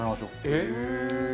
えっ！